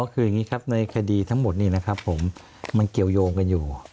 คืออย่างนี้ครับในคดีทั้งหมดนี้นะครับผมมันเกี่ยวยงกันอยู่